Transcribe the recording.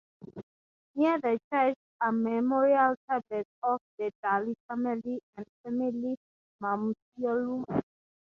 Near the church are memorial tablets of the Daly family and the family mausoleum.